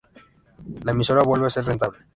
La emisora vuelve a ser rentable.